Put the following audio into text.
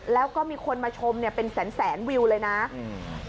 แล้วก็มีคนมาชมเนี้ยเป็นแสนแสนวิวเลยนะอืม